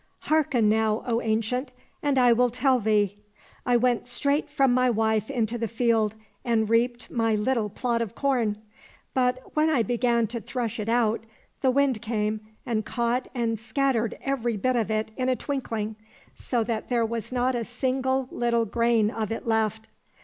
" Hearken now, O Ancient, and I will tell thee ! I went straight from my wife into the field and reaped my little plot of corn ; but when I began to thresh it out, the Wind came and caught and scattered every bit of it in a twinkling, so that there was not a single little grain of it left.